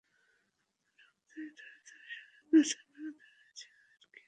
ঢুকতেই থরে থরে সাজানো আছে নানা ধরনের গিটার, কি-বোর্ড, ড্রামস, বেস।